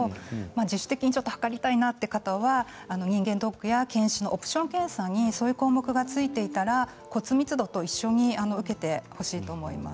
自主的に測りたいなという方は人間ドックや検診のオプション検査にそういう項目がついていたら骨密度と一緒に受けてほしいと思います。